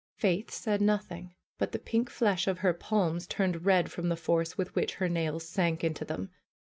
Faith said nothing. But the pink flesh of her palms turned red from the force with which her nails sank into them.